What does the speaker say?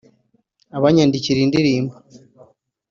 abanyandikira indirimbo